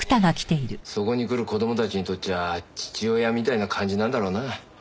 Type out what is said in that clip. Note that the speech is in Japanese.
そこに来る子供たちにとっちゃ父親みたいな感じなんだろうな。